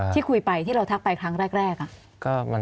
ที่คุยไปที่เราทักไปครั้งแรก